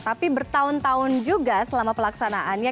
tapi bertahun tahun juga selama pelaksanaannya